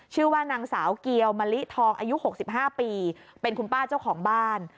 ชื่อว่านางสาวเกียวมะลิทองอายุ๖๕ปีเป็นคุณป้าเจ้าของบ้าน